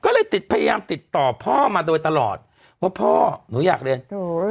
ก็เลยติดพยายามติดต่อพ่อมาโดยตลอดว่าพ่อหนูอยากเรียน